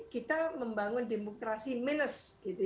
kita membangun demokrasi minus